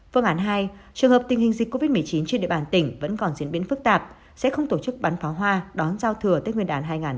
phương án hai trường hợp tình hình dịch covid một mươi chín trên địa bàn tỉnh vẫn còn diễn biến phức tạp sẽ không tổ chức bắn pháo hoa đón giao thừa tết nguyên đán hai nghìn hai mươi